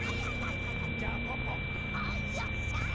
はあよっしゃ！